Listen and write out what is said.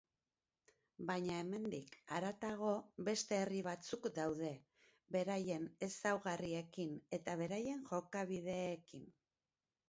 Baina hemendik haratago beste herri batzuk daude, beraien ezaugarriekin eta beraien jokabideekin.